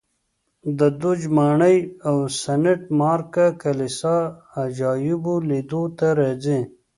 د دوج ماڼۍ او سنټ مارک کلیسا عجایبو لیدو ته راځي